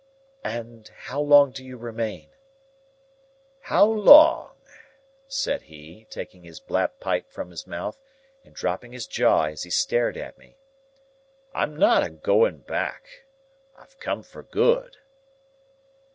"And how long do you remain?" "How long?" said he, taking his black pipe from his mouth, and dropping his jaw as he stared at me. "I'm not a going back. I've come for good."